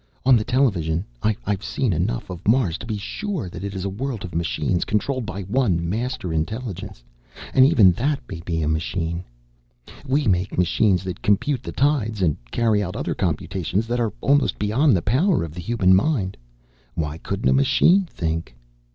On the television, I've seen enough of Mars to be sure that it is a world of machines, controlled by one Master Intelligence. And even that may be a machine. We make machines that compute the tides and carry out other computations that are almost beyond the power of the human mind: why couldn't a machine think?